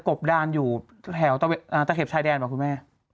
บดานอยู่แถวตะเข็บชายแดนป่ะคุณแม่